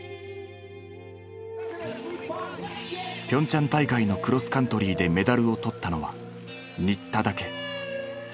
ピョンチャン大会のクロスカントリーでメダルを取ったのは新田だけ。